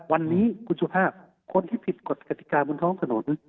วันนี้คุณสุภาพคนที่ผิดกฎกติกาบนท้องถนน